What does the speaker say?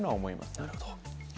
なるほど。